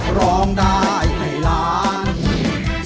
ร้องได้ให้ล้าน